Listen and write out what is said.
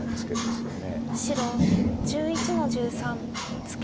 白１１の十三ツケ。